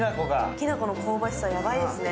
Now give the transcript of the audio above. きなこの香ばしさヤバいですね。